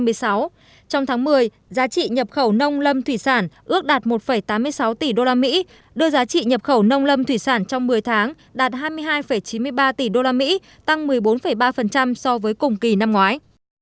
trong tháng một mươi giá trị nhập khẩu nông lâm thủy sản ước đạt một tám mươi sáu tỷ usd đưa giá trị nhập khẩu nông lâm thủy sản trong một mươi tháng đạt hai mươi hai chín mươi ba tỷ usd tăng một mươi bốn ba so với cùng kỳ năm ngoái